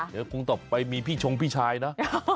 เดี๋ยวคงต่อไปมีพี่ชงพี่ชายนะ